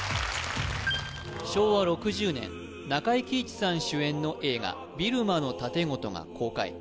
昭和６０年中井貴一さん主演の映画「ビルマの竪琴」が公開